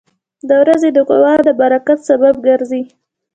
• د ورځې دعا د برکت سبب ګرځي.